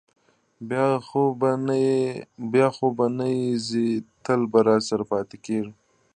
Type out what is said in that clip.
بیا خو به نه ځې، تل به راسره پاتې کېږې؟